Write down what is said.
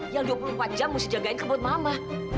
yang dua puluh empat jam mesti jagain kabut mama